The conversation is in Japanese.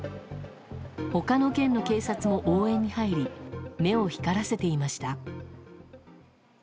他の県の警察も応援に入り目を光らせていました。